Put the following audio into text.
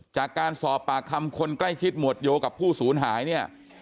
จากการสอบปากคำคนใกล้ชิดหมวดโยกับผู้ศูนย์หายเนี่ย